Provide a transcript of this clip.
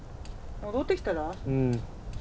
戻ってきたら？